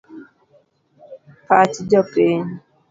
Pach jopiny..